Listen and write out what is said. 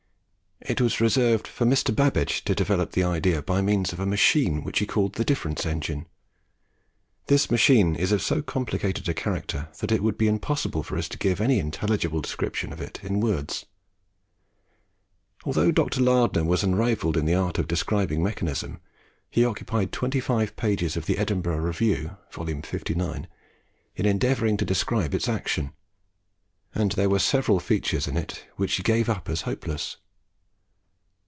It was reserved for Mr. Babbage to develope the idea by means of a machine which he called the Difference Engine. This machine is of so complicated a character that it would be impossible for us to give any intelligible description of it in words. Although Dr. Lardner was unrivalled in the art of describing mechanism, he occupied twenty five pages of the 'Edinburgh Review' (vol.59) in endeavouring to describe its action, and there were several features in it which he gave up as hopeless.